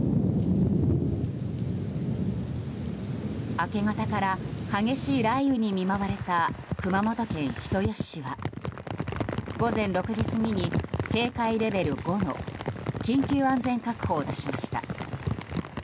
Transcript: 明け方から激しい雷雨に見舞われた熊本県人吉市は午前６時過ぎに警戒レベル５の緊急安全確保を出しました。